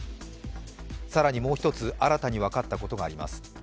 更にもう一つ、新たに分かったことがあります。